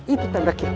itu tanda kiamat